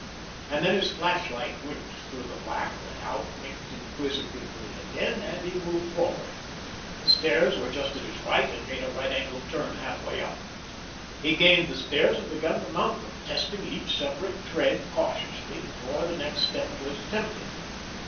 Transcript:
And then his flashlight winked through the black, went out, winked inquisitively again, and he moved forward. The stairs were just at his right, and made a right angled turn halfway up. He gained the stairs and began to mount them, testing each separate tread cautiously before the next step was attempted.